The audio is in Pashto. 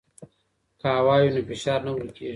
که هوا وي نو فشار نه ورکېږي.